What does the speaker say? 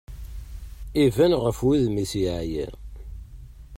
Iban ɣef wudem-is yeɛya.